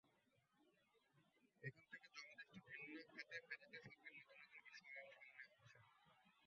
এখান থেকে জনদৃষ্টি ভিন্ন খাতে ফেরাতে সরকার নতুুন নতুন ইস্যু সামনে আনছে।